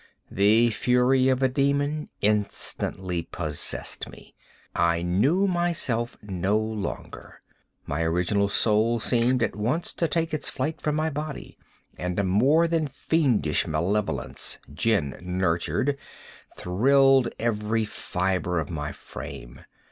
The fury of a demon instantly possessed me. I knew myself no longer. My original soul seemed, at once, to take its flight from my body and a more than fiendish malevolence, gin nurtured, thrilled every fibre of my frame.